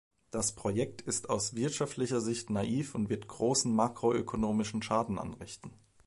Das Projekt ist aus wirtschaftlicher Sicht naiv und wird großen makroökonomischen Schaden anrichten.